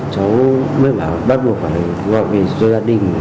cháu mới bảo bắt buộc phải gọi về cho gia đình